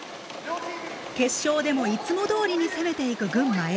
決勝でもいつもどおりに攻めていく群馬Ａ。